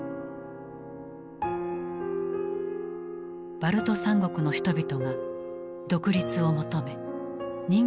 バルト三国の人々が独立を求め「人間の鎖」を作った。